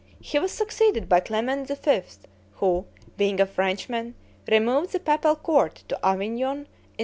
He was succeeded by Clement V., who, being a Frenchman, removed the papal court to Avignon in 1305.